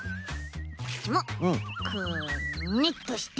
こっちもくねっとして。